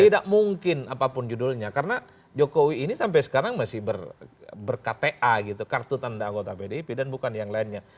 tidak mungkin apapun judulnya karena jokowi ini sampai sekarang masih berkata gitu kartu tanda anggota pdip dan bukan yang lainnya